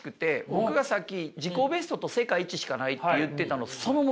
僕がさっき自己ベストと世界一しかないって言ってたのそのものだから。